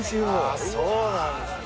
あそうなんですね。